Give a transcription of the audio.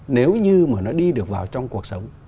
nếu như mà nó đi được vào trong cuộc sống